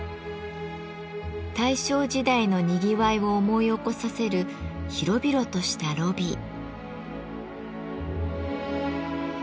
大正時代のにぎわいを思い起こさせる広々としたロビー。